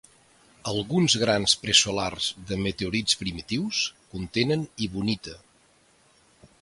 Alguns grans presolars de meteorits primitius contenen hibonita.